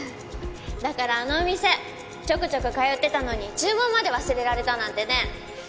だからあのお店ちょくちょく通ってたのに注文まで忘れられたなんてね。